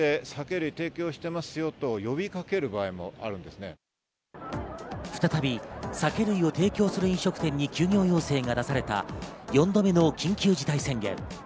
『スッキリ』は１度目の緊急再び酒類を提供する飲食店に休業要請が出された４度目の緊急事態宣言。